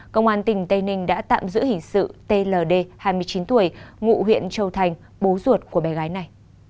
công an tỉnh tây ninh đã tạm giữ hình sự tld hai mươi chín tuổi ngụ huyện châu thành bố ruột của bé gái này